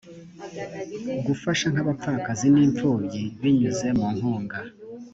gufasha nk abapfakazi n’impfubyi binyuze mu nkunga